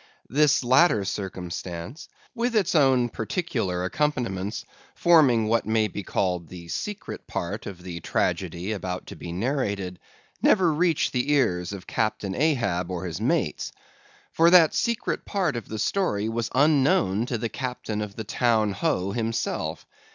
This latter circumstance, with its own particular accompaniments, forming what may be called the secret part of the tragedy about to be narrated, never reached the ears of Captain Ahab or his mates. For that secret part of the story was unknown to the captain of the Town Ho himself.